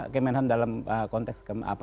kemenhan dalam konteks